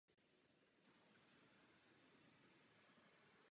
Nakonec musel být odebrán pod správu purkrabího z Norimberka.